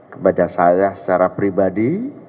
kepada saya secara pribadi